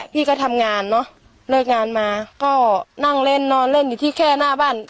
พี่ก็ทำงานเนอะเลิกงานมาก็นั่งเล่นนอนเล่นอยู่ที่แค่หน้าบ้าน